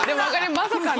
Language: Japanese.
まさかね。